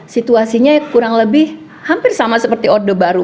situasinya kurang lebih hampir sama seperti orde baru